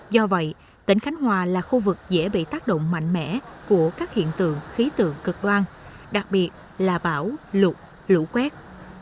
do vậy tỉnh khánh hòa là khu vực dễ bị tác động mạnh mẽ của các hiện tượng khí tượng cực đoan đặc biệt là bão lụt lũ quét